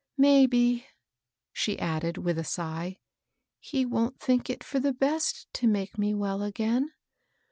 Maybe," she added, with a sigh, " he wont think it for the best to make me well again.